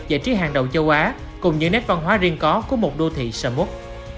giải trí hàng đầu châu á cùng những nét văn hóa riêng có của một đô thị sầm mút